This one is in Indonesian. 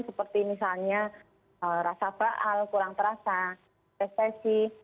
seperti misalnya rasa baal kurang terasa prestasi